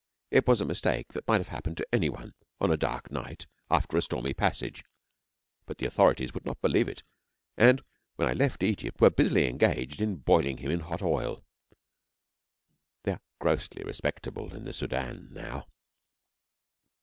It was a mistake that might have happened to any one on a dark night after a stormy passage, but the authorities would not believe it, and when I left Egypt were busily engaged in boiling him in hot oil. They are grossly respectable in the Soudan now.